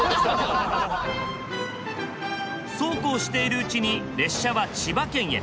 そうこうしているうちに列車は千葉県へ。